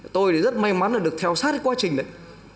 tôi thì rất may mắn là được theo sát cái quá trình đấy